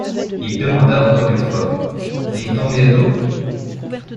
Il demanda encore une fois: — Dîne-t-on bientôt?